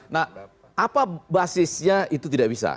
nah apa basisnya itu tidak bisa